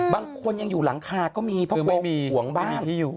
บางคนยังอยู่หลังคาก็มีเพราะเป็นห่วงบ้าง